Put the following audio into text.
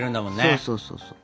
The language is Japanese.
そうそうそうそう。